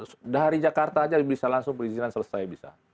sudah hari jakarta saja bisa langsung perizinan selesai bisa